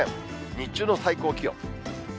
日中の最高気温。